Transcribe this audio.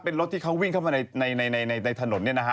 เป็นรถที่เขาวิ่งเข้ามาในถนนเนี่ยนะฮะ